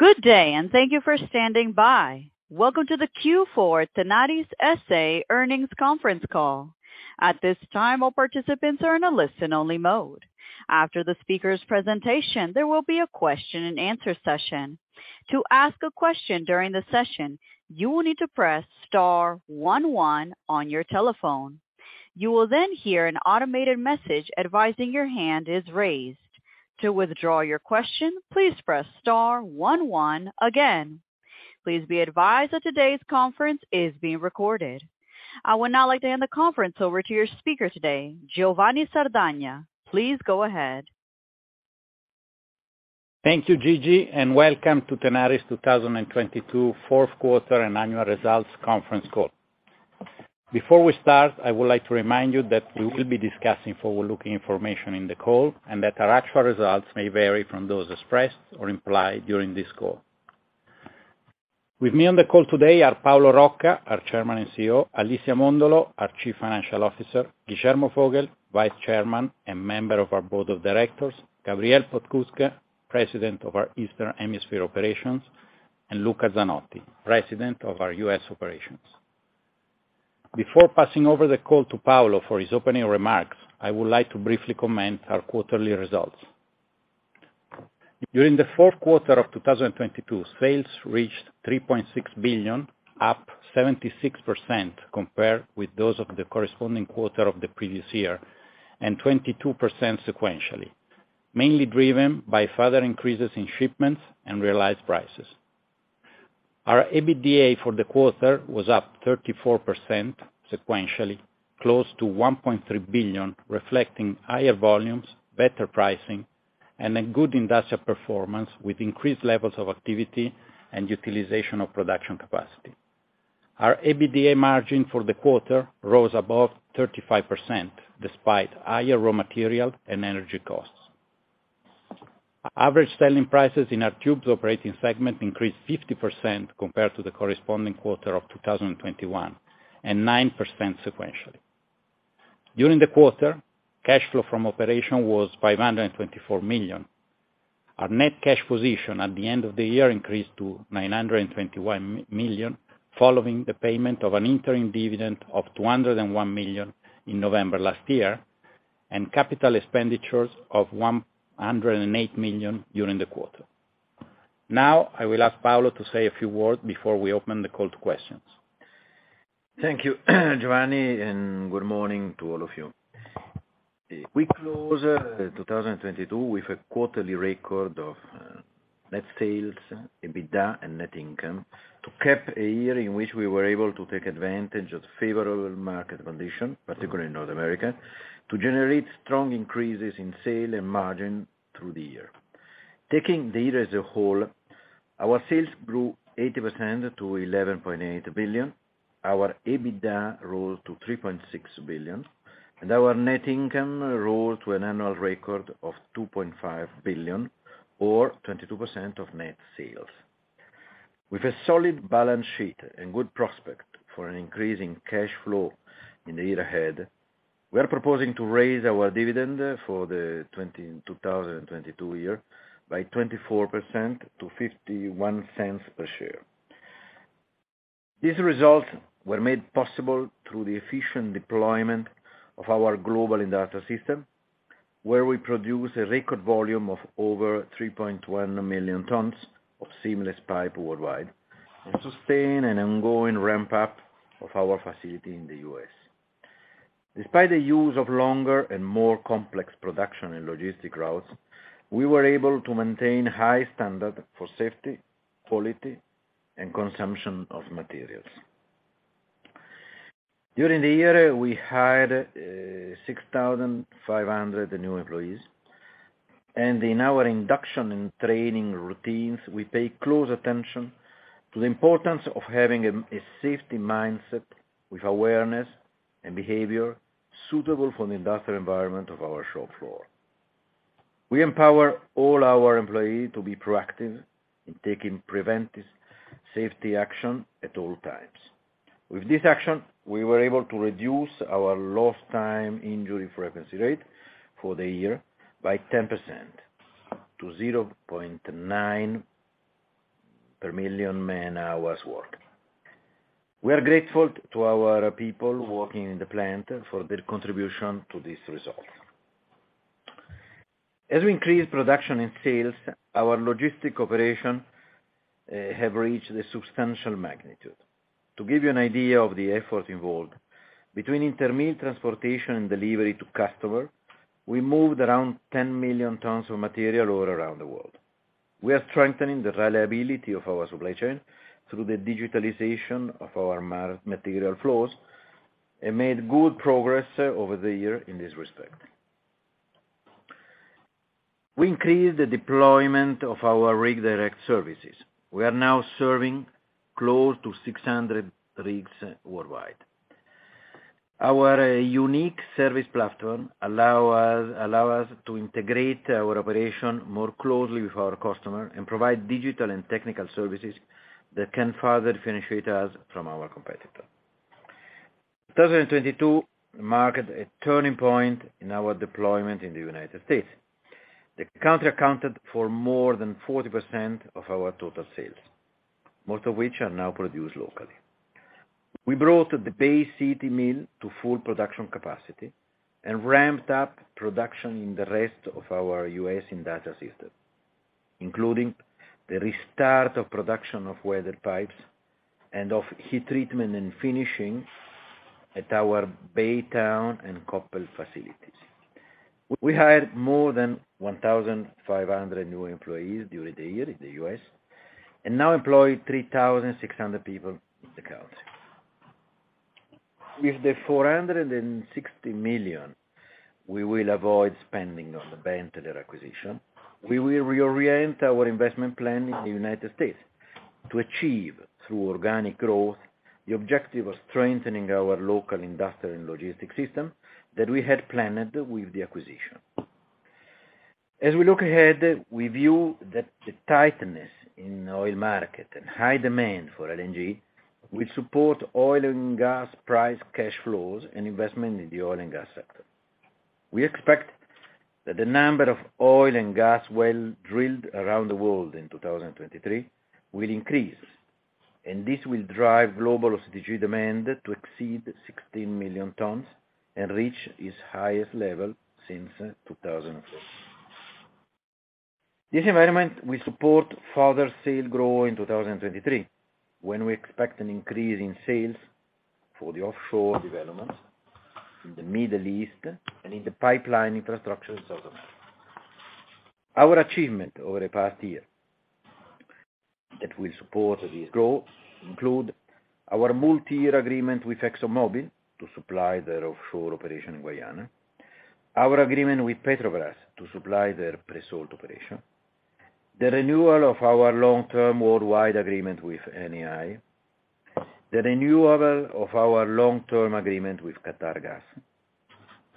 Good day, and thank you for standing by. Welcome to the Q4 Tenaris SA Earnings Conference Call. At this time, all participants are in a listen-only mode. After the speaker's presentation, there will be a question-and-answer session. To ask a question during the session, you will need to press star one one on your telephone. You will then hear an automated message advising your hand is raised. To withdraw your question, please press star one one again. Please be advised that today's conference is being recorded. I would now like to hand the conference over to your speaker today, Giovanni Sardagna. Please go ahead. Thank you, Gigi, and welcome to Tenaris 2022 Fourth Quarter and Annual Results conference call. Before we start, I would like to remind you that we will be discussing forward-looking information in the call and that our actual results may vary from those expressed or implied during this call. With me on the call today are Paolo Rocca, our chairman and CEO, Alicia Móndolo, our Chief Financial Officer, Guillermo Vogel, Vice Chairman and member of our board of directors, Gabriel Podskubka, President of our Eastern Hemisphere Operations, and Luca Zanotti, President of our U.S. operations. Before passing over the call to Paolo for his opening remarks, I would like to briefly comment our quarterly results. During the fourth quarter of 2022, sales reached $3.6 billion, up 76% compared with those of the corresponding quarter of the previous year, and 22% sequentially, mainly driven by further increases in shipments and realized prices. Our EBITDA for the quarter was up 34% sequentially, close to $1.3 billion, reflecting higher volumes, better pricing, and a good industrial performance with increased levels of activity and utilization of production capacity. Our EBITDA margin for the quarter rose above 35% despite higher raw material and energy costs. Average selling prices in our tubes operating segment increased 50% compared to the corresponding quarter of 2021, and 9% sequentially. During the quarter, cash flow from operation was $524 million. Our net cash position at the end of the year increased to $921 million, following the payment of an interim dividend of $201 million in November last year and capital expenditures of $108 million during the quarter. Now, I will ask Paolo to say a few words before we open the call to questions. Thank you, Giovanni. Good morning to all of you. We close 2022 with a quarterly record of net sales, EBITDA and net income to cap a year in which we were able to take advantage of favorable market condition, particularly in North America, to generate strong increases in sale and margin through the year. Taking the year as a whole, our sales grew 80% to $11.8 billion. Our EBITDA rose to $3.6 billion, and our net income rose to an annual record of $2.5 billion or 22% of net sales. With a solid balance sheet and good prospect for an increase in cash flow in the year ahead, we are proposing to raise our dividend for the 2022 year by 24% to $0.51 per share. These results were made possible through the efficient deployment of our global industrial system, where we produce a record volume of over 3.1 million tons of seamless pipe worldwide and sustain an ongoing ramp-up of our facility in the U.S. Despite the use of longer and more complex production and logistic routes, we were able to maintain high standard for safety, quality, and consumption of materials. During the year, we hired 6,500 new employees, and in our induction and training routines, we pay close attention to the importance of having a safety mindset with awareness and behavior suitable for the industrial environment of our shop floor. We empower all our employee to be proactive in taking preventive safety action at all times. With this action, we were able to reduce our Lost Time Injury Frequency Rate for the year by 10% to 0.9 per million man-hours worked. We are grateful to our people working in the plant for their contribution to this result. As we increase production and sales, our logistic operation have reached a substantial magnitude. To give you an idea of the effort involved, between intermediate transportation and delivery to customer, we moved around 10 million tons of material all around the world. We are strengthening the reliability of our supply chain through the digitalization of our material flows and made good progress over the year in this respect. We increased the deployment of our Rig Direct services. We are now serving close to 600 rigs worldwide. Our unique service platform allow us to integrate our operation more closely with our customer and provide digital and technical services that can further differentiate us from our competitor. 2022 marked a turning point in our deployment in the United States. The country accounted for more than 40% of our total sales, most of which are now produced locally. We brought the Bay City mill to full production capacity and ramped up production in the rest of our U.S. industrial system, including the restart of production of weather pipes and of heat treatment and finishing at our Baytown and Koppel facilities. We hired more than 1,500 new employees during the year in the U.S., and now employ 3,600 people in the country. With the $460 million, we will avoid spending on the Benteler acquisition, we will reorient our investment plan in the United States to achieve, through organic growth, the objective of strengthening our local industrial and logistics system that we had planned with the acquisition. As we look ahead, we view that the tightness in oil market and high demand for LNG will support oil and gas price cash flows and investment in the oil and gas sector. We expect that the number of oil and gas well drilled around the world in 2023 will increase, and this will drive global OCTG demand to exceed 16 million tons and reach its highest level since 2004. This environment will support further sales growth in 2023, when we expect an increase in sales for the offshore developments in the Middle East and in the pipeline infrastructure development. Our achievement over the past year that will support this growth include our multi-year agreement with ExxonMobil to supply their offshore operation in Guyana, our agreement with Petrobras to supply their pre-salt operation, the renewal of our long-term worldwide agreement with Eni, the renewal of our long-term agreement with Qatargas,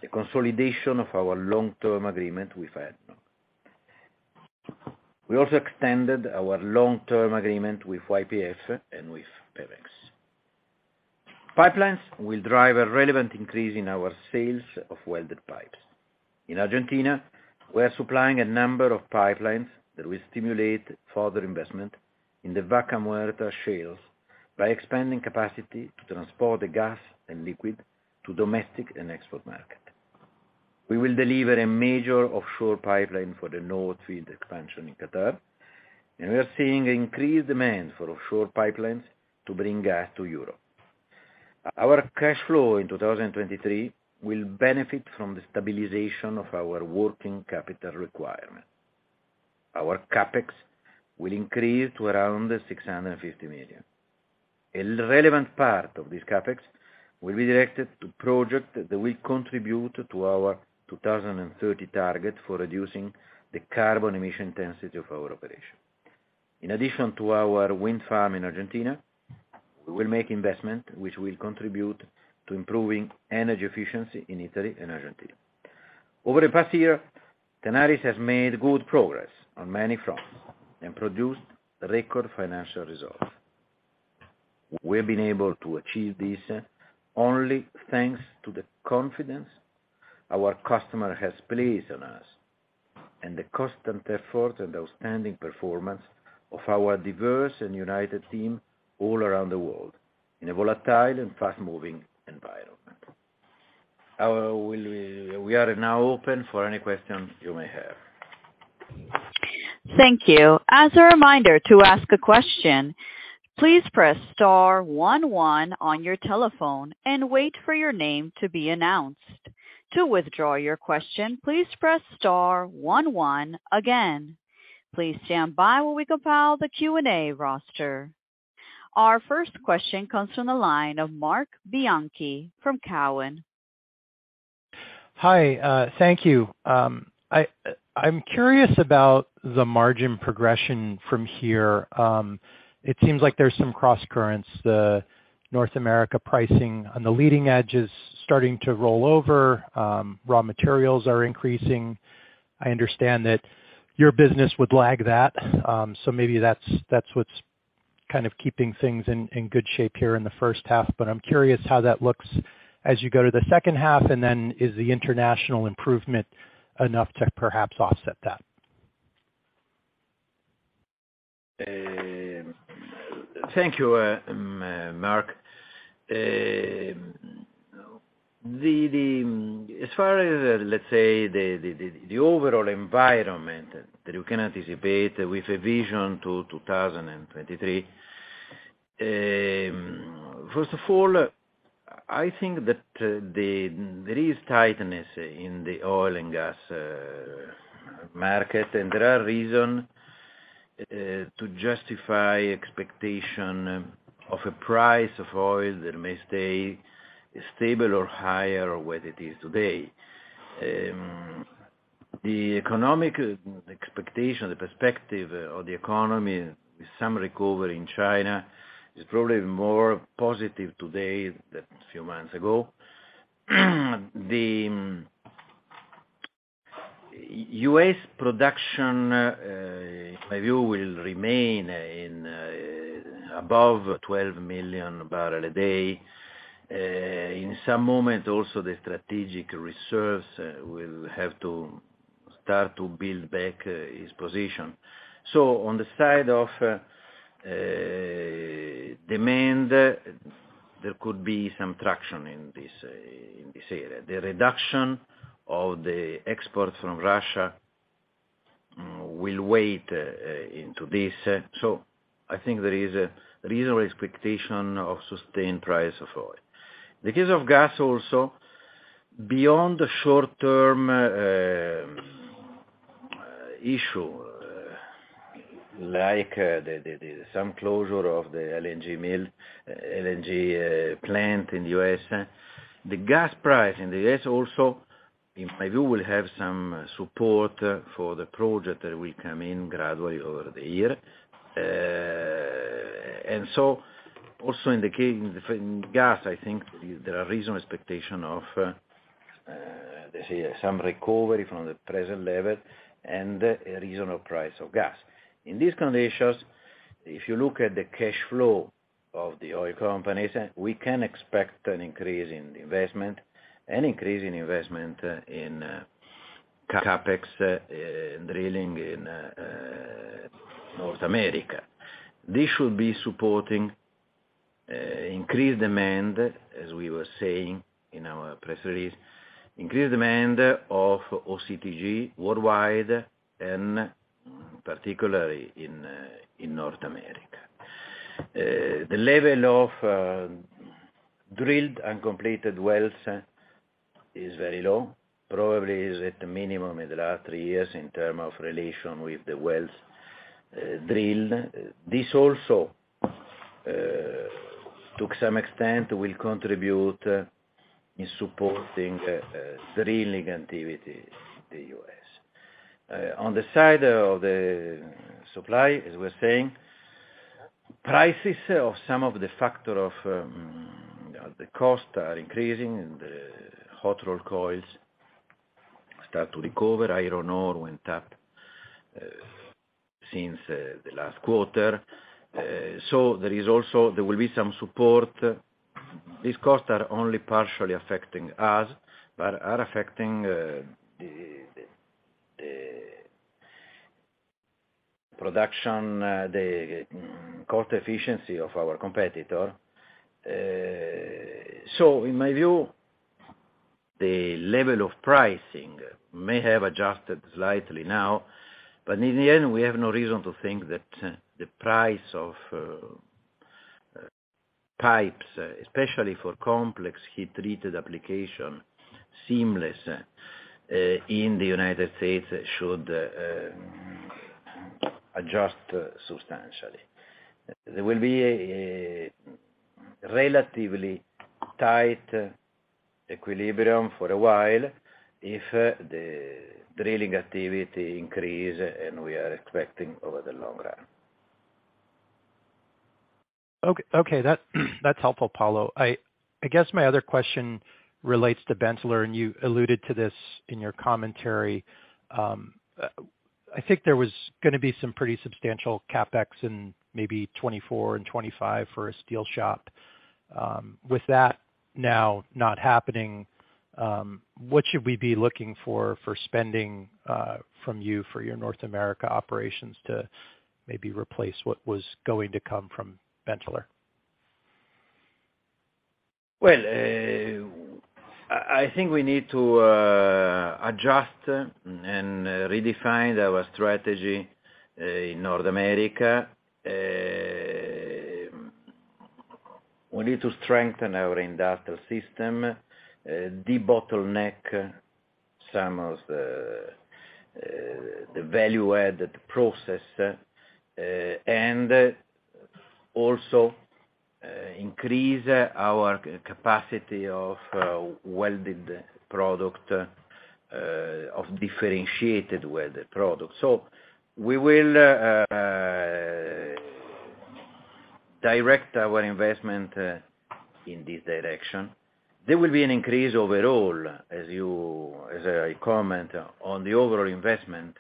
the consolidation of our long-term agreement with ADNOC. We also extended our long-term agreement with YPF and with Pecom. Pipelines will drive a relevant increase in our sales of welded pipes. In Argentina, we are supplying a number of pipelines that will stimulate further investment in the Vaca Muerta shales by expanding capacity to transport the gas and liquid to domestic and export market. We will deliver a major offshore pipeline for the North Field Expansion in Qatar. We are seeing increased demand for offshore pipelines to bring gas to Europe. Our cash flow in 2023 will benefit from the stabilization of our working capital requirement. Our CapEx will increase to around $650 million. A relevant part of this CapEx will be directed to project that will contribute to our 2030 target for reducing the carbon emission intensity of our operation. In addition to our wind farm in Argentina, we will make investment which will contribute to improving energy efficiency in Italy and Argentina. Over the past year, Tenaris has made good progress on many fronts and produced record financial results. We've been able to achieve this only thanks to the confidence our customer has placed on us and the constant effort and outstanding performance of our diverse and united team all around the world in a volatile and fast moving environment. We are now open for any questions you may have. Thank you. As a reminder to ask a question, please press star one one on your telephone and wait for your name to be announced. To withdraw your question, please press star one one again. Please stand by while we compile the Q&A roster. Our first question comes from the line of Marc Bianchi from Cowen. Hi. Thank you. I'm curious about the margin progression from here. It seems like there's some crosscurrents. The North America pricing on the leading edge is starting to roll over. Raw materials are increasing. I understand that your business would lag that. Maybe that's what's kind of keeping things in good shape here in the first half. I'm curious how that looks as you go to the second half, and then is the international improvement enough to perhaps offset that? Thank you, Marc. As far as, let's say, the overall environment that you can anticipate with a vision to 2023, first of all, I think that there is tightness in the oil and gas market, and there are reason to justify expectation of a price of oil that may stay stable or higher or what it is today. The economic expectation, the perspective of the economy with some recovery in China is probably more positive today than a few months ago. The U.S. production, my view will remain above 12 million barrel a day. In some moments also, the strategic reserves will have to start to build back its position. On the side of demand, there could be some traction in this area. The reduction of the exports from Russia will wait into this. I think there is a reasonable expectation of sustained price of oil. In the case of gas also, beyond the short term issue, like the sum closure of the LNG plant in the U.S. The gas price in the U.S. also, in my view, will have some support for the project that will come in gradually over the year. Also indicating different gas, I think there are reasonable expectation of, let's say, some recovery from the present level and a reasonable price of gas. In these conditions, if you look at the cash flow of the oil companies, we can expect an increase in investment, an increase in investment in CapEx, drilling in North America. This should be supporting increased demand, as we were saying in our press release, increased demand of OCTG worldwide, and particularly in North America. The level of drilled and completed wells is very low. Probably is at the minimum in the last three years in term of relation with the wells drilled. This also to some extent will contribute in supporting drilling activity in the U.S. On the side of the supply, as we're saying, prices of some of the factor of the costs are increasing and the hot rolled coils start to recover. Iron ore went up since the last quarter. There will be some support. These costs are only partially affecting us, but are affecting the production, the cost efficiency of our competitor. In my view, the level of pricing may have adjusted slightly now, but in the end, we have no reason to think that the price of pipes, especially for complex heat-treated application, seamless in the United States should adjust substantially. There will be a relatively tight equilibrium for a while if the drilling activity increase, and we are expecting over the long run. Okay, that's helpful, Paolo. I guess my other question relates to Benteler, and you alluded to this in your commentary. I think there was gonna be some pretty substantial CapEx in maybe 2024 and 2025 for a steel shop. With that now not happening, what should we be looking for spending from you for your North America operations to maybe replace what was going to come from Benteler? Well, I think we need to adjust and redefine our strategy in North America. We need to strengthen our industrial system, debottleneck some of the value-added process, and also increase our capacity of welded product, of differentiated welded product. We will direct our investment in this direction. There will be an increase overall, as I comment on the overall investment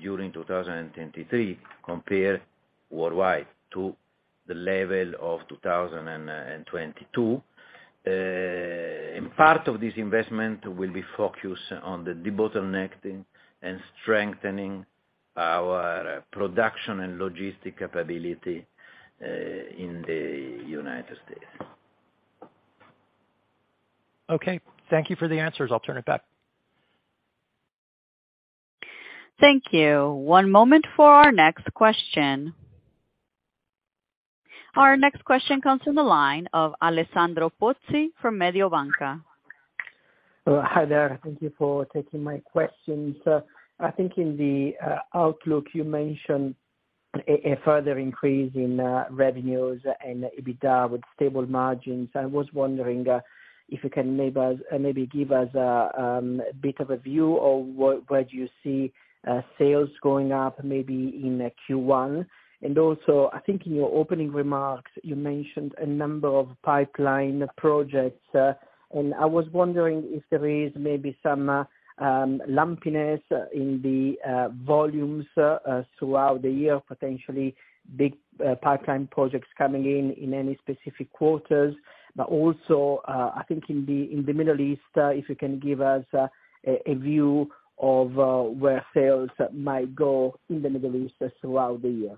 during 2023 compared worldwide to the level of 2022. Part of this investment will be focused on the debottlenecking and strengthening our production and logistic capability in the United States. Okay. Thank you for the answers. I'll turn it back. Thank you. One moment for our next question. Our next question comes from the line of Alessandro Pozzi from Mediobanca. Hi there. Thank you for taking my questions. I think in the outlook, you mentioned a further increase in revenues and EBITDA with stable margins. I was wondering if you can maybe give us a bit of a view of where sales going up maybe in Q1. I think in your opening remarks, you mentioned a number of pipeline projects. I was wondering if there is maybe some lumpiness in the volumes throughout the year, potentially big pipeline projects coming in in any specific quarters. I think in the Middle East, if you can give us a view of where sales might go in the Middle East throughout the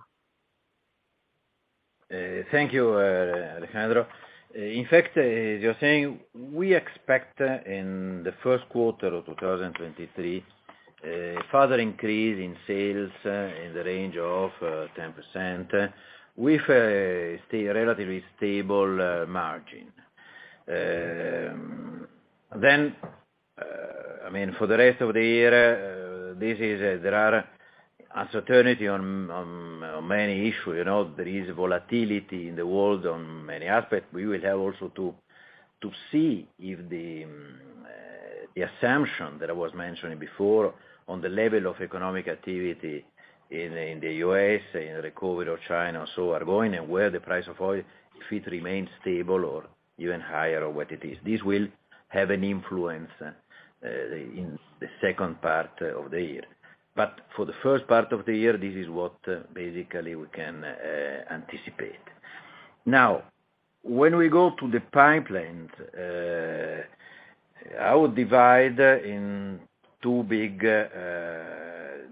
year. Thank you, Alessandro. In fact, as you're saying, we expect in the first quarter of 2023, further increase in sales in the range of 10% with relatively stable margin. I mean, for the rest of the year, this is, there are uncertainty on many issues. You know, there is volatility in the world on many aspects. We will have also to see if the assumption that I was mentioning before on the level of economic activity in the U.S., in the COVID of China also are going, and where the price of oil, if it remains stable or even higher or what it is. This will have an influence in the second part of the year. For the first part of the year, this is what basically we can anticipate. When we go to the pipelines, I would divide in two big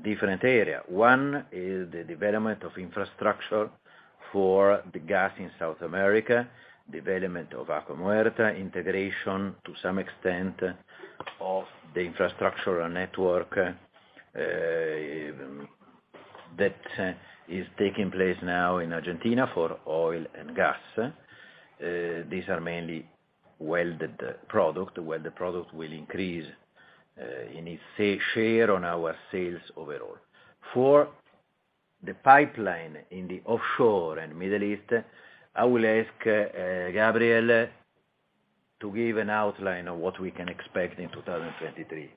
different area. One is the development of infrastructure for the gas in South America, development of Vaca Muerta, integration to some extent of the infrastructure network that is taking place now in Argentina for oil and gas. These are mainly welded product, where the product will increase in its share on our sales overall. For the pipeline in the offshore and Middle East, I will ask Gabriel to give an outline of what we can expect in 2023.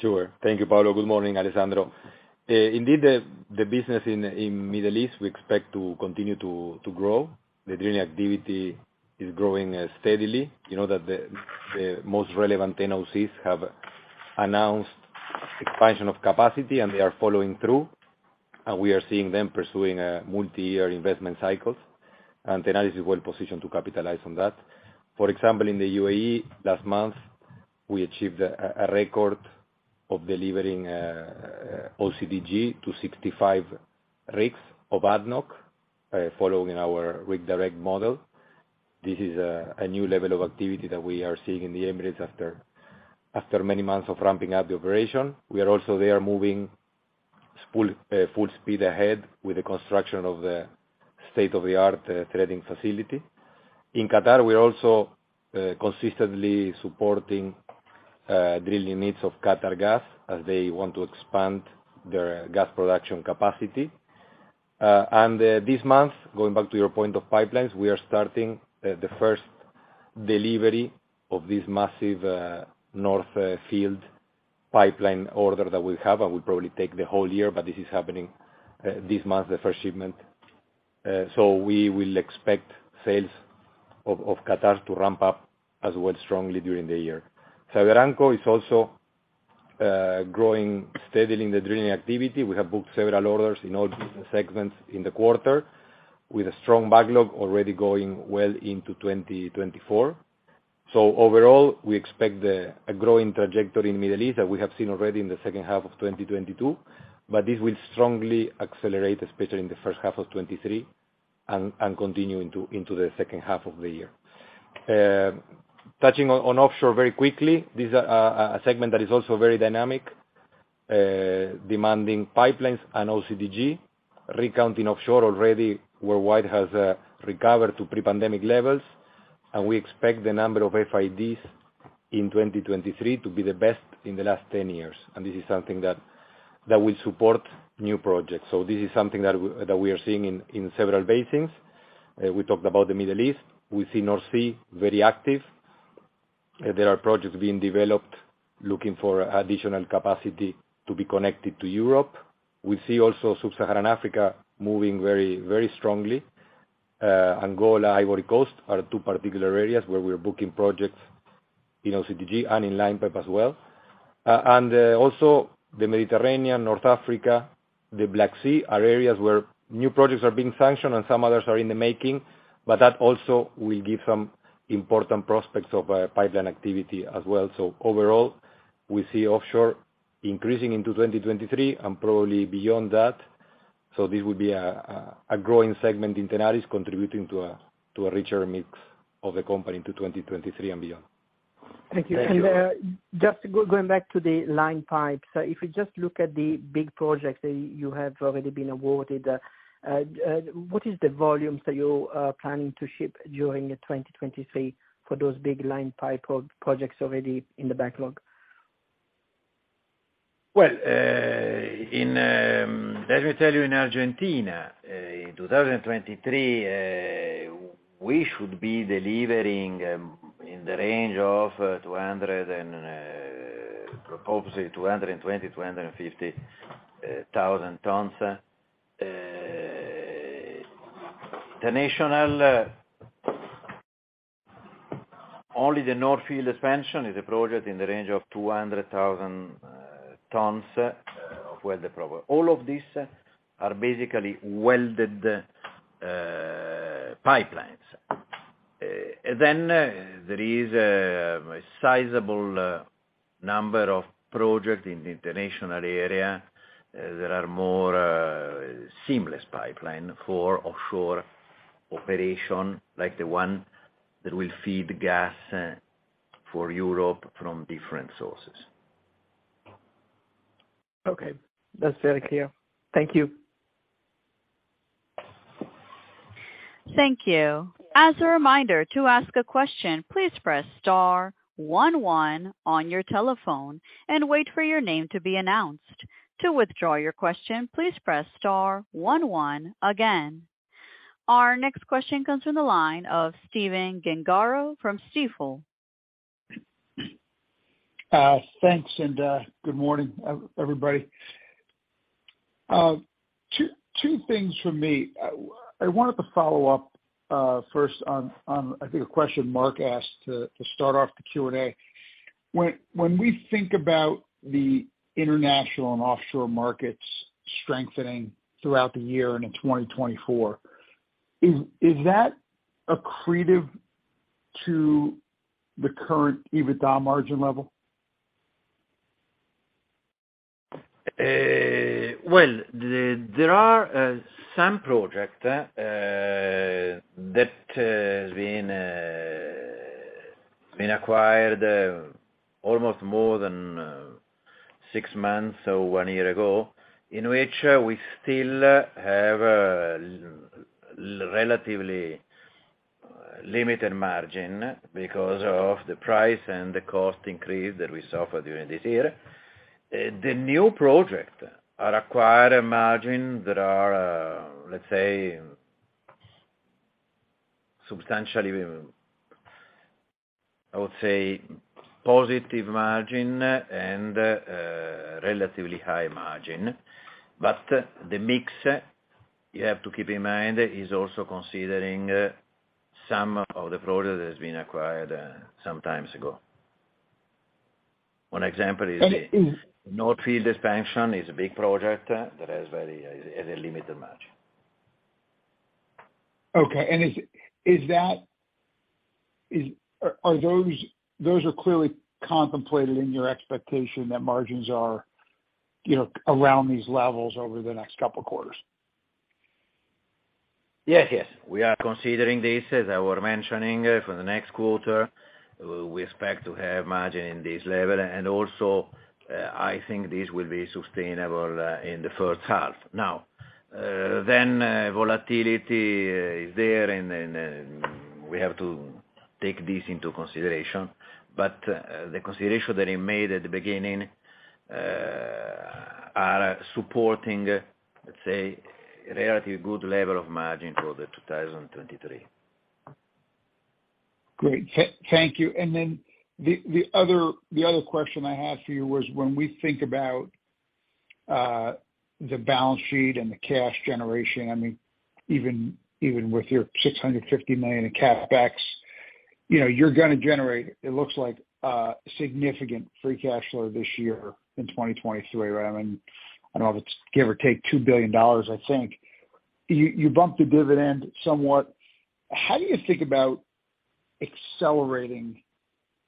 Sure. Thank you, Paolo. Good morning, Alessandro. Indeed, the business in Middle East, we expect to continue to grow. The drilling activity is growing steadily. You know that the most relevant NOCs have announced expansion of capacity, and they are following through, and we are seeing them pursuing a multi-year investment cycles. Tenaris is well positioned to capitalize on that. For example, in the UAE last month, we achieved a record of delivering OCTG to 65 rigs of ADNOC, following our Rig Direct model. This is a new level of activity that we are seeing in the Emirates after many months of ramping up the operation. We are also there moving spool full speed ahead with the construction of the state-of-the-art threading facility. In Qatar, we are also consistently supporting drilling needs of Qatargas as they want to expand their gas production capacity. This month, going back to your point of pipelines, we are starting the first delivery of this massive North Field pipeline order that we have, and will probably take the whole year, but this is happening this month, the first shipment. We will expect sales of Qatar to ramp up as well strongly during the year. Aguarague is also growing steadily in the drilling activity. We have booked several orders in all business segments in the quarter with a strong backlog already going well into 2024. Overall, we expect a growing trajectory in Middle East that we have seen already in the second half of 2022, but this will strongly accelerate, especially in the first half of 2023 and continue into the second half of the year. Touching on offshore very quickly, this is a segment that is also very dynamic, demanding pipelines and OCTG. Recounting offshore already worldwide has recovered to pre-pandemic levels, and we expect the number of FIDs in 2023 to be the best in the last 10 years. This is something that will support new projects. This is something that we are seeing in several basins. We talked about the Middle East. We see North Sea very active. There are projects being developed looking for additional capacity to be connected to Europe. We see also Sub-Saharan Africa moving very, very strongly. Angola, Ivory Coast are two particular areas where we're booking projects in OCTG and in line pipe as well. Also the Mediterranean, North Africa, the Black Sea are areas where new projects are being sanctioned and some others are in the making, but that also will give some important prospects of pipeline activity as well. Overall, we see offshore increasing into 2023 and probably beyond that. This will be a growing segment in Tenaris contributing to a richer mix of the company into 2023 and beyond. Thank you. Thank you. Just going back to the line pipes, if you just look at the big projects that you have already been awarded, what is the volumes that you are planning to ship during 2023 for those big line pipe projects already in the backlog? In, let me tell you, in Argentina, in 2023, we should be delivering in the range of 200 and, obviously 220, 250,000 tons. Only the North Field Expansion is a project in the range of 200,000 tons of weld problem. All of these are basically welded pipelines. There is a sizable number of projects in the international area that are more seamless pipeline for offshore operation like the one that will feed gas for Europe from different sources. Okay, that's very clear. Thank you. Thank you. As a reminder, to ask a question, please press star one one on your telephone and wait for your name to be announced. To withdraw your question, please press star one one again. Our next question comes from the line of Stephen Gengaro from Stifel. Thanks, good morning, everybody. Two things for me. I wanted to follow up, first on I think a question Marc asked to start off the Q&A. When we think about the international and offshore markets strengthening throughout the year into 2024, is that accretive to the current EBITDA margin level? Well, there are some project that has been acquired almost more than 6 months or 1 year ago, in which we still have relatively limited margin because of the price and the cost increase that we saw during this year. The new project are acquired a margin that are, let's say, substantially, I would say, positive margin and relatively high margin. The mix, you have to keep in mind, is also considering some of the products that has been acquired some times ago. One example is North Field Expansion is a big project that has a limited margin. Okay. And is that... Are those are clearly contemplated in your expectation that margins are, you know, around these levels over the next couple quarters? Yes, yes. We are considering this, as I were mentioning, for the next quarter. We expect to have margin in this level. Also, I think this will be sustainable in the first half. Now, then volatility is there and then we have to take this into consideration. The consideration that I made at the beginning are supporting, let's say, a relatively good level of margin for 2023. Great. Thank you. The other question I had for you was when we think about the balance sheet and the cash generation, I mean, even with your $650 million in CapEx, you know, you're gonna generate, it looks like, a significant free cash flow this year in 2023. Right. I mean, I don't know if it's give or take $2 billion, I think. You bumped the dividend somewhat. How do you think about accelerating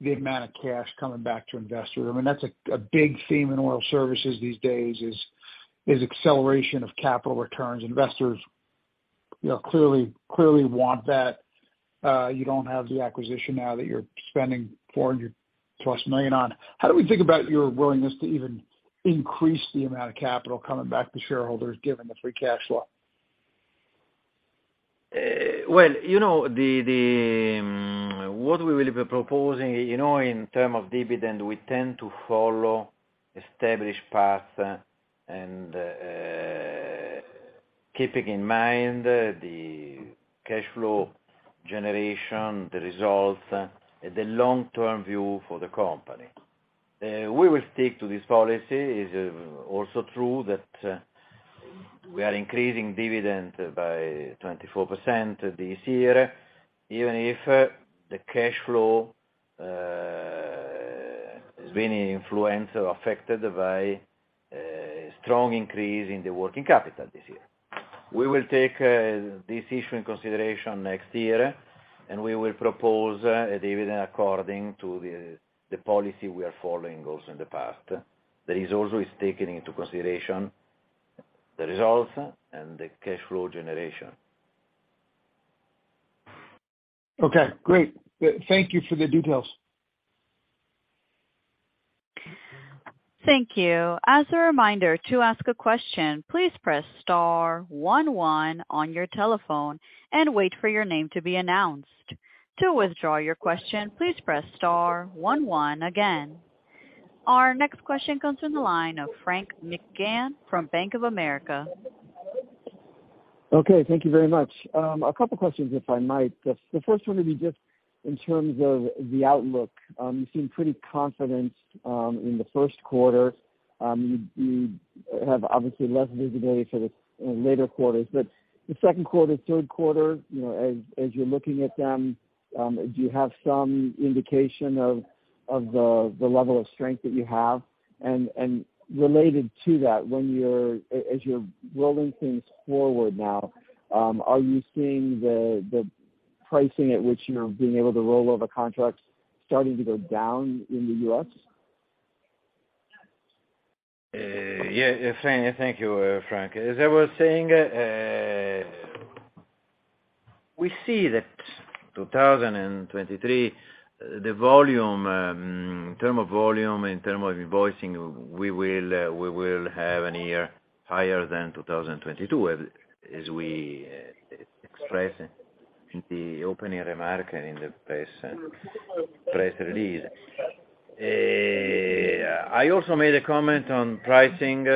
the amount of cash coming back to investors? I mean, that's a big theme in oil services these days, is acceleration of capital returns. Investors, you know, clearly want that. You don't have the acquisition now that you're spending $400+ million on. How do we think about your willingness to even increase the amount of capital coming back to shareholders given the free cash flow? Well, you know, the, what we will be proposing, you know, in term of dividend, we tend to follow established path and keeping in mind the cash flow generation, the results, the long-term view for the company. We will stick to this policy. It's also true that we are increasing dividend by 24% this year, even if the cash flow, has been influenced or affected by strong increase in the working capital this year. We will take this issue in consideration next year, and we will propose a dividend according to the policy we are following also in the past. The result is taken into consideration, the results and the cash flow generation. Okay, great. Thank you for the details. Thank you. As a reminder, to ask a question, please press star one one on your telephone and wait for your name to be announced. To withdraw your question, please press star one one again. Our next question comes from the line of Frank McGann from Bank of America. Okay. Thank you very much. A couple questions, if I might. The first one would be just in terms of the outlook. You seem pretty confident in the first quarter. You have obviously less visibility for the later quarters. The second quarter, third quarter, you know, as you're looking at them, do you have some indication of the level of strength that you have? And related to that, as you're rolling things forward now, are you seeing the pricing at which you're being able to roll over contracts starting to go down in the U.S.? Yeah. Yeah, thank you, Frank. As I was saying, we see that 2023, the volume, in term of volume, in term of invoicing, we will have an year higher than 2022, as we expressed in the opening remark in the press release. I also made a comment on pricing.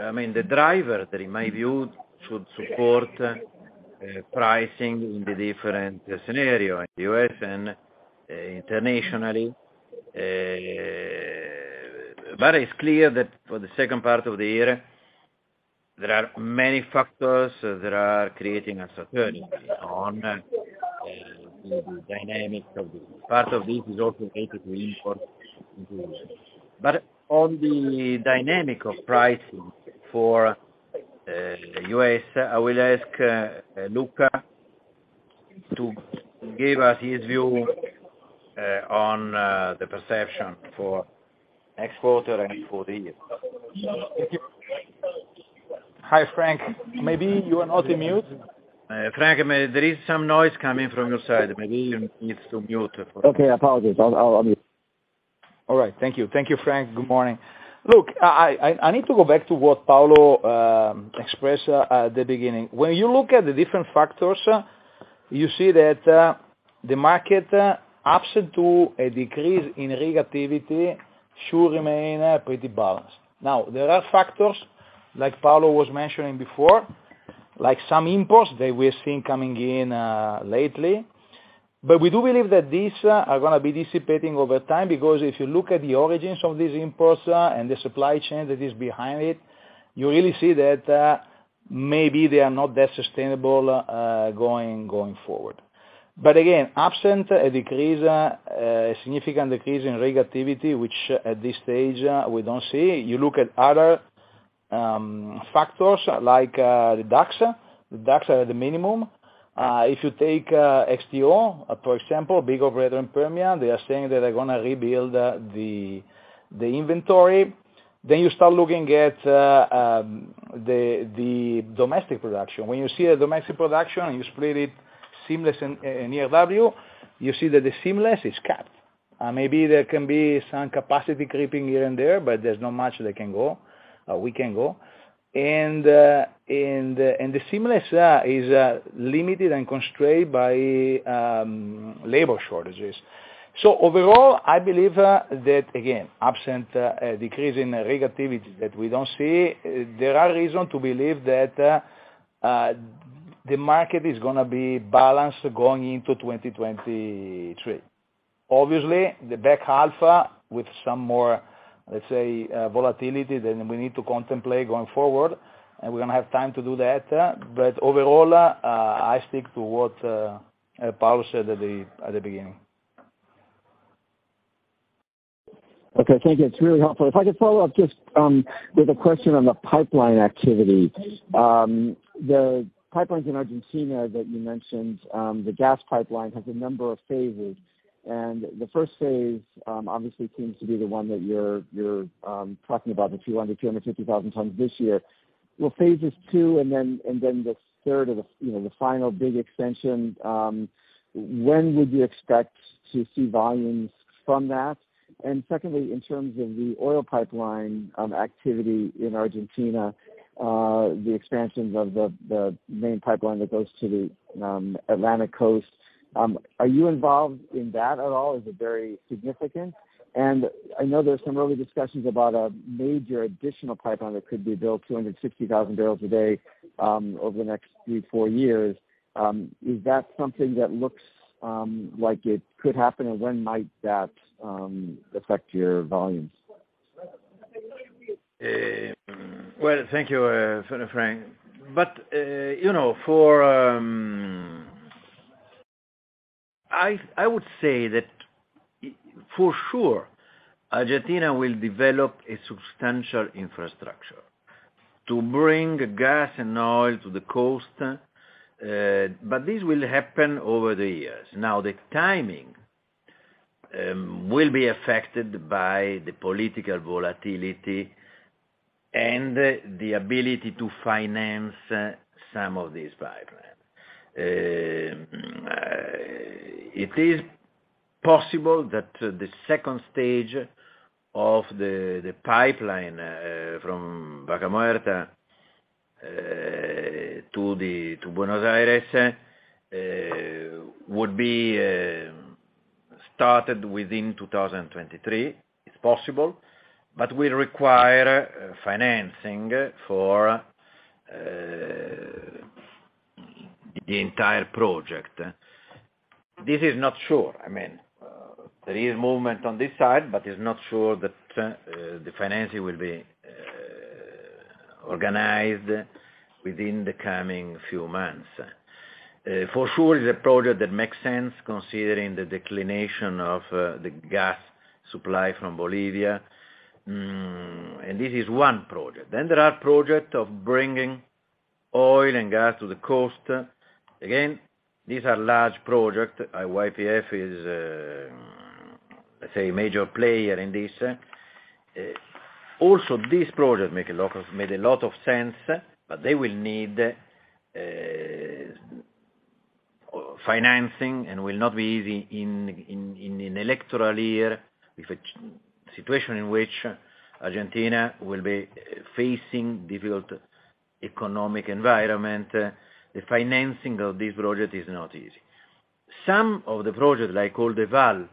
I mean, the driver that, in my view, should support pricing in the different scenario in the U.S. and internationally. It's clear that for the second part of the year, there are many factors that are creating uncertainty on the dynamic of this. Part of this is also related to import into the U.S. On the dynamic of pricing for U.S., I will ask Luca to give us his view on the perception for next quarter and for the year. Thank you. Hi, Frank. Maybe you are not in mute. Frank, there is some noise coming from your side. Maybe you needs to mute for- Okay, apologies. I'll mute. All right. Thank you. Thank you, Frank. Good morning. Look, I need to go back to what Paolo expressed at the beginning. When you look at the different factors, you see that the market, absent to a decrease in rig activity, should remain pretty balanced. There are factors, like Paolo was mentioning before, like some imports that we're seeing coming in lately. We do believe that these are gonna be dissipating over time because if you look at the origins of these imports and the supply chain that is behind it, you really see that maybe they are not that sustainable going forward. Again, absent a decrease, a significant decrease in rig activity, which at this stage, we don't see, you look at other factors like the DUCs. The DUCs are at the minimum. If you take XTO, for example, big operator in Permian, they are saying that they're gonna rebuild the inventory. You start looking at the domestic production. When you see a domestic production and you split it seamless and ERW, you see that the seamless is capped. Maybe there can be some capacity creeping here and there, but there's not much that can go, we can go. The seamless is limited and constrained by labor shortages. Overall, I believe that again, absent a decrease in rig activity that we don't see, there are reason to believe that the market is gonna be balanced going into 2023. Obviously, the back half, with some more, let's say, volatility, then we need to contemplate going forward. We're gonna have time to do that. Overall, I stick to what Paolo said at the beginning. Okay. Thank you. It's really helpful. If I could follow up just with a question on the pipeline activity. The pipelines in Argentina that you mentioned, the gas pipeline has a number of phases. The first phase, obviously seems to be the one that you're talking about, the 200,000-250,000 tons this year. Will phases 2 and then the third or the, you know, the final big extension, when would you expect to see volumes from that? Secondly, in terms of the oil pipeline, activity in Argentina, the expansions of the main pipeline that goes to the Atlantic Coast, are you involved in that at all? Is it very significant? I know there's some early discussions about a major additional pipeline that could be built, 260,000 barrels a day, over the next 3-4 years. Is that something that looks like it could happen, and when might that affect your volumes? Well, thank you, Frank. You know, for... I would say that for sure Argentina will develop a substantial infrastructure to bring gas and oil to the coast, but this will happen over the years. Now, the timing will be affected by the political volatility and the ability to finance some of these pipelines. It is possible that the second stage of the pipeline from Vaca Muerta to Buenos Aires would be started within 2023, it's possible, but will require financing for the entire project. This is not sure. I mean, there is movement on this side, but it's not sure that the financing will be organized within the coming few months. For sure the project that makes sense considering the declination of the gas supply from Bolivia. This is one project. There are project of bringing oil and gas to the coast. These are large project. YPF is, let's say, a major player in this. Also, this project made a lot of sense, but they will need financing and will not be easy in, in electoral year with a situation in which Argentina will be facing difficult economic environment. The financing of this project is not easy. Some of the projects, like Oldelval,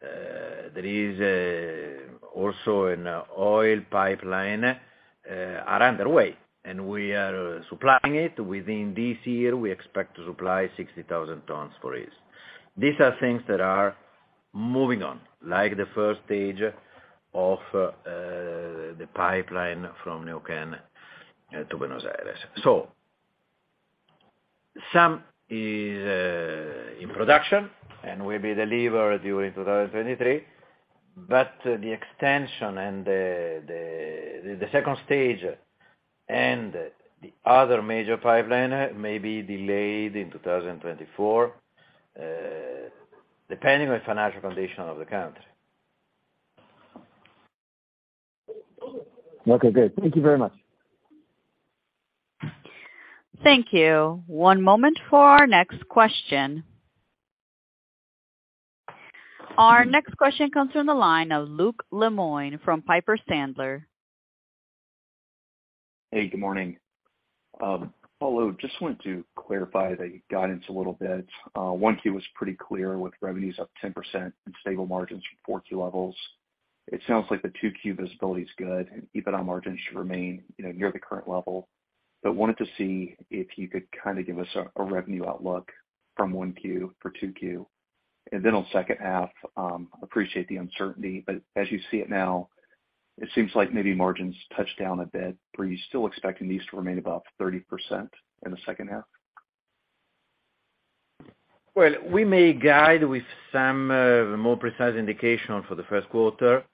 there is also an oil pipeline, are underway, and we are supplying it. Within this year, we expect to supply 60,000 tons for it. These are things that are moving on, like the first stage of the pipeline from Neuquén to Buenos Aires. Some is in production and will be delivered during 2023, the extension and the second stage and the other major pipeline may be delayed in 2024, depending on financial condition of the country. Okay, good. Thank you very much. Thank you. One moment for our next question. Our next question comes from the line of Luke Lemoine from Piper Sandler. Hey, good morning. Paolo, just wanted to clarify the guidance a little bit. 1Q was pretty clear with revenues up 10% and stable margins from 4Q levels. It sounds like the 2Q visibility is good, and EBITDA margins should remain, you know, near the current level. Wanted to see if you could kinda give us a revenue outlook from 1Q for 2Q. On second half, appreciate the uncertainty, but as you see it now, it seems like maybe margins touched down a bit. Were you still expecting these to remain above 30% in the second half? Well, we may guide with some more precise indication for the first quarter.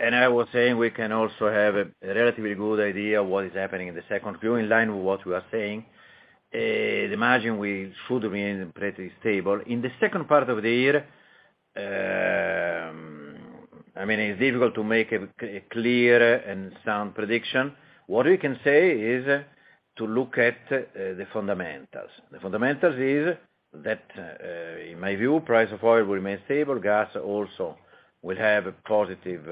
I was saying we can also have a relatively good idea of what is happening in the second Q. In line with what we are saying, the margin should remain pretty stable. In the second part of the year, I mean, it's difficult to make a clear and sound prediction. What we can say is to look at the fundamentals. The fundamentals is that, in my view, price of oil will remain stable, gas also will have a positive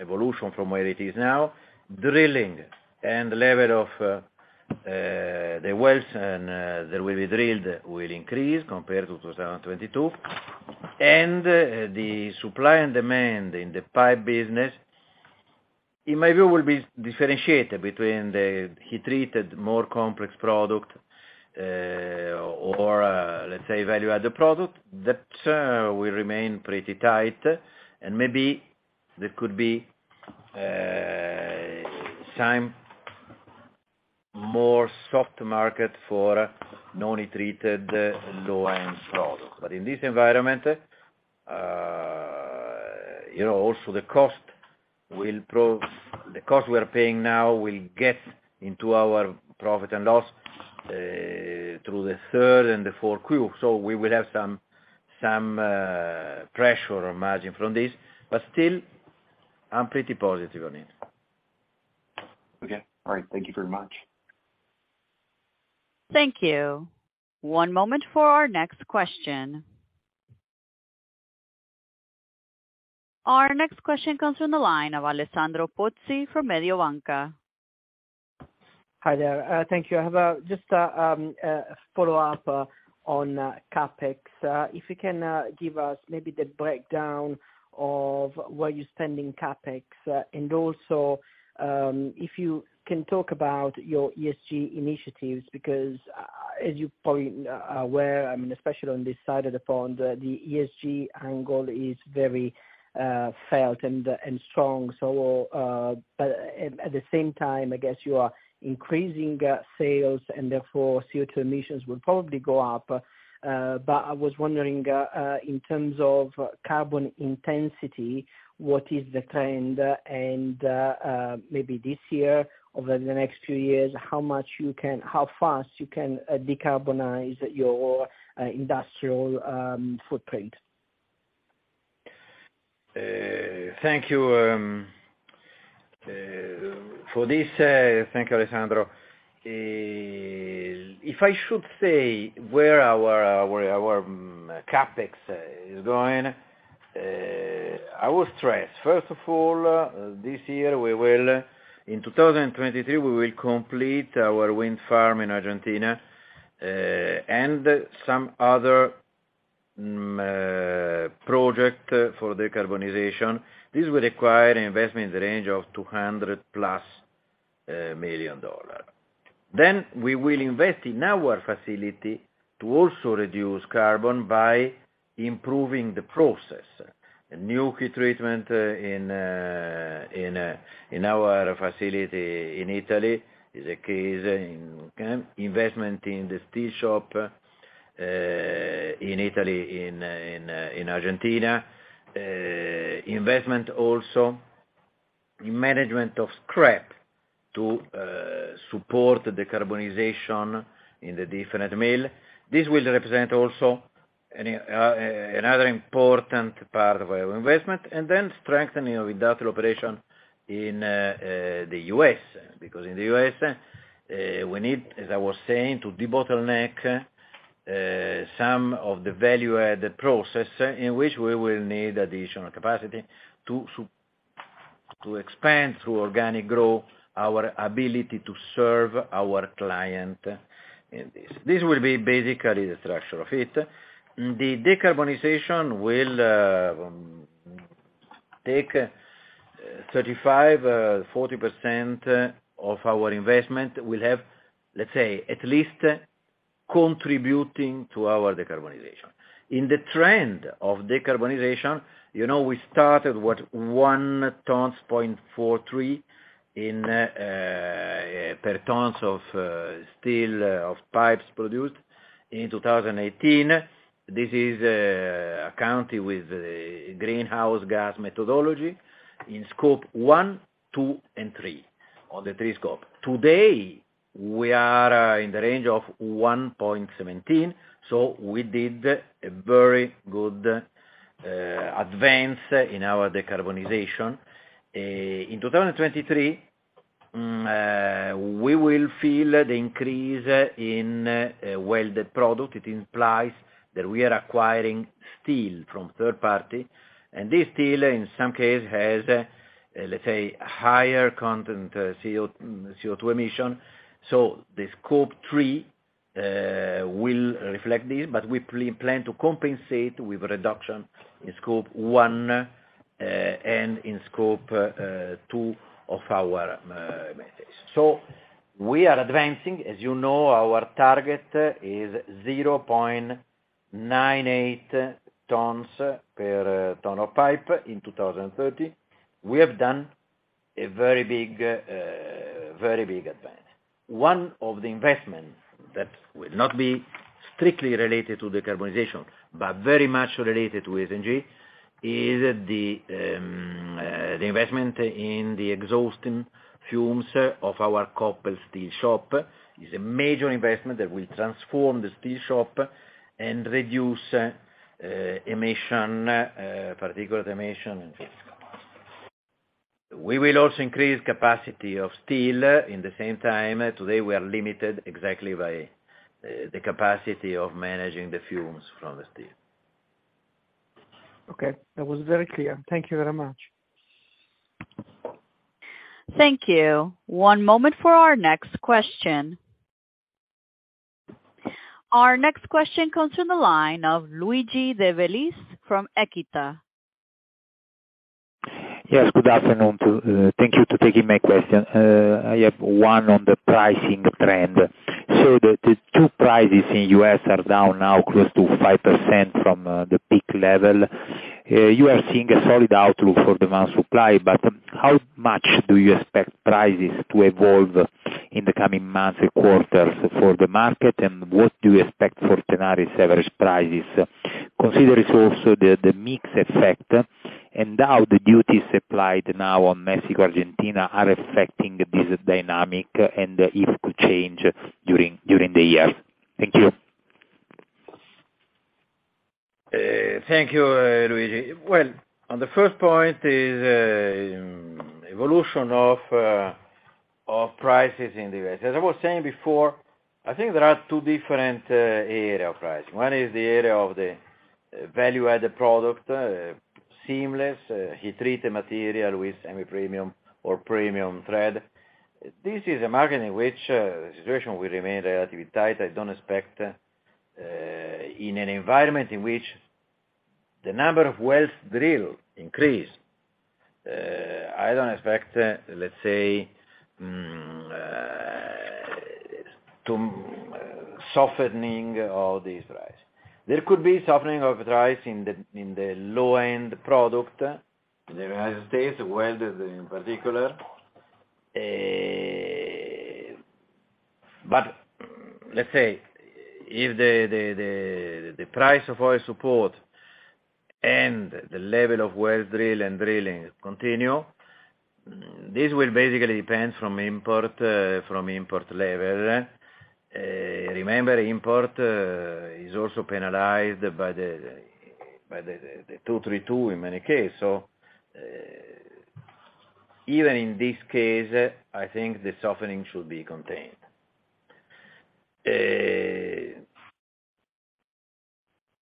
evolution from where it is now. Drilling and the level of the wells and that will be drilled will increase compared to 2022. The supply and demand in the pipe business, in my view, will be differentiated between the heat-treated, more complex product, or, let's say, value-added product that will remain pretty tight. Maybe there could be some more soft market for non-heat treated low-end product. In this environment, you know, also the cost we are paying now will get into our profit and loss through the third and the fourth Q. We will have some pressure on margin from this, but still, I'm pretty positive on it. Okay. All right. Thank you very much. Thank you. One moment for our next question. Our next question comes from the line of Alessandro Pozzi from Mediobanca. Hi there. Thank you. I have just a follow-up on CapEx. If you can give us maybe the breakdown of where you're spending CapEx, and also, if you can talk about your ESG initiatives. Because as you're probably aware, I mean, especially on this side of the pond, the ESG angle is very felt and strong. At the same time, I guess you are increasing sales and therefore CO2 emissions will probably go up. I was wondering, in terms of carbon intensity, what is the trend? Maybe this year, over the next 2 years, how much you can how fast you can decarbonize your industrial footprint? Thank you for this. Thank you, Alessandro. If I should say where our CapEx is going, I will stress, first of all, this year, in 2023, we will complete our wind farm in Argentina and some other project for decarbonization. This will require an investment in the range of $200+ million. We will invest in our facility to also reduce carbon by improving the process. A new heat treatment in our facility in Italy is a case in investment in the steel shop in Italy, in Argentina. Investment also in management of scrap to support the decarbonization in the different mill. This will represent also an another important part of our investment, and then strengthening of industrial operation in the U.S. In the U.S., we need, as I was saying, to debottleneck some of the value-added process in which we will need additional capacity to expand through organic growth, our ability to serve our client in this. This will be basically the structure of it. The decarbonization will take 35%-40% of our investment. We'll have, let's say, at least contributing to our decarbonization. In the trend of decarbonization, you know, we started with 1.43 tons per tons of steel of pipes produced in 2018. This is accounted with the Greenhouse Gas Methodology in Scope 1, 2, and 3, on the 3 scope. Today, we are in the range of 1.17. We did a very good advance in our decarbonization. In 2023, we will feel the increase in welded product. It implies that we are acquiring steel from third party, and this steel, in some case, has, let's say, higher content CO2 emission. The Scope 3 will reflect this, but we plan to compensate with reduction in Scope 1 and in Scope 2 of our methods. We are advancing. As you know, our target is 0.98 tons per ton of pipe in 2030. We have done a very big advance. One of the investments that will not be strictly related to decarbonization, but very much related to ESG is the investment in the exhausting fumes of our couple steel shop. Is a major investment that will transform the steel shop and reduce emission, particular emission and. We will also increase capacity of steel in the same time. Today, we are limited exactly by the capacity of managing the fumes from the steel. Okay. That was very clear. Thank you very much. Thank you. One moment for our next question. Our next question comes from the line of Luigi De Bellis from Equita. Yes, good afternoon to... Thank you to taking my question. I have one on the pricing trend. The two prices in U.S. are down now close ] to 5% from the peak level. You are seeing a solid outlook for demand supply, how much do you expect prices to evolve in the coming months or quarters for the market? What do you expect for Tenaris average prices? Considering also the mix effect and how the duties applied now on Mexico, Argentina are affecting this dynamic and if could change during the year. Thank you. Thank you, Luigi. On the first point is, evolution of prices in the U.S. As I was saying before, I think there are two different area of price. One is the area of the value-added product, seamless, heat-treated material with semi-premium or premium thread. This is a market in which the situation will remain relatively tight. I don't expect, in an environment in which the number of wells drilled increase, I don't expect, let's say, to softening of these price. There could be softening of price in the low-end product in the United States, welded in particular. Let's say if the price of oil support and the level of wells drill and drilling continue, this will basically depend from import, from import level. Remember import is also penalized by the 232 in many cases. Even in this case, I think the softening should be contained.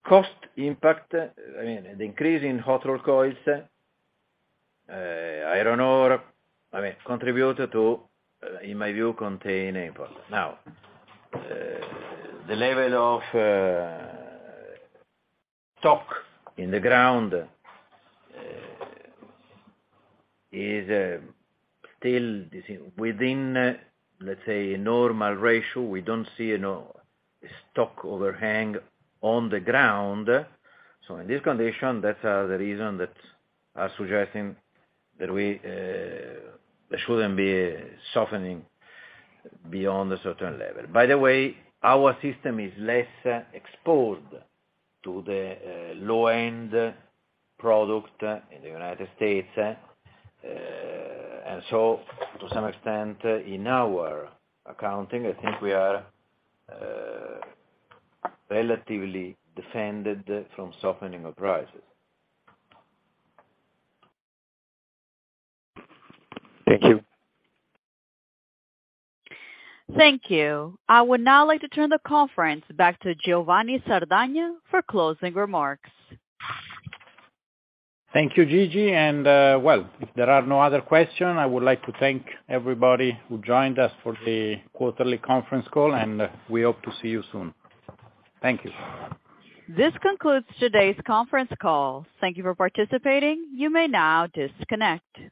Cost impact, I mean, the increase in hot rolled coils, iron ore, I mean, contribute to, in my view, containing import. Now, the level of stock in the ground is still within, let's say, a normal ratio. We don't see no stock overhang on the ground. In this condition, that's the reason that are suggesting that we there shouldn't be softening beyond a certain level. By the way, our system is less exposed to the low-end product in the United States. To some extent, in our accounting, I think we are relatively defended from softening of prices. Thank you. Thank you. I would now like to turn the conference back to Giovanni Sardagna for closing remarks. Thank you, Gigi. Well, if there are no other question, I would like to thank everybody who joined us for the quarterly conference call, and we hope to see you soon. Thank you. This concludes today's conference call. Thank you for participating. You may now disconnect.